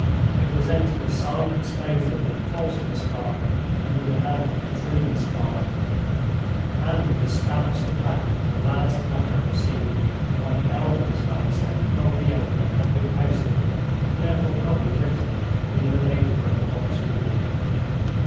It presented a signed exposure of the false Miss Garth under the hand of the true Miss Garth; and it established the fact that the last letter received by the elder Miss Vanstone from the younger had been posted (and therefore probably written) in the neighborhood of Vauxhall Walk.